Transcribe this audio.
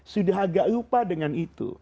sudah agak lupa dengan itu